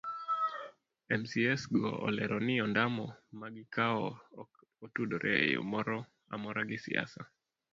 Mcas go olero ni ondamo magikawo ok otudore eyo moro amora gi siasa.